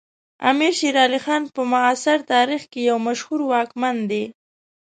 امیر شیر علی خان په معاصر تاریخ کې یو مشهور واکمن دی.